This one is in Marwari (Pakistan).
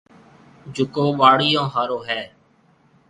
جڪو ٻاݪيون هارون هيَ۔